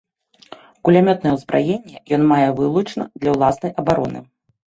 Кулямётнае ўзбраенне ён мае вылучна для ўласнай абароны.